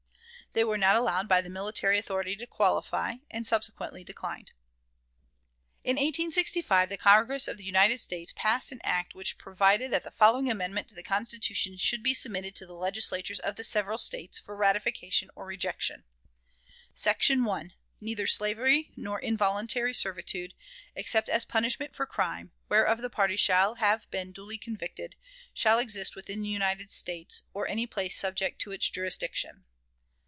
They were not allowed by the military authority to qualify, and subsequently declined. In 1865 the Congress of the United States passed an act which provided that the following amendment to the Constitution should be submitted to the Legislatures of the several States for ratification or rejection: "SECTION 1. Neither slavery nor involuntary servitude, except as a punishment for crime, whereof the party shall have been duly convicted, shall exist within the United States, or any place subject to its jurisdiction.